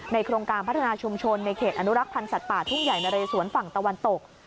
โครงการพัฒนาชุมชนในเขตอนุรักษ์พันธ์สัตว์ป่าทุ่งใหญ่นะเรสวนฝั่งตะวันตก